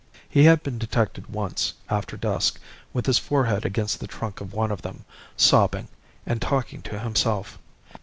He had been detected once, after dusk, with his forehead against the trunk of one of them, sobbing, and talking to himself.